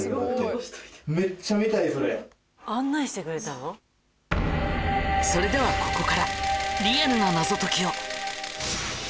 それそれではここからリアルな謎解きを。